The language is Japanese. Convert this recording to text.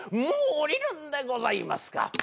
もう降りるんでございますか？